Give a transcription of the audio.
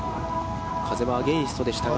風はアゲインストでしたが。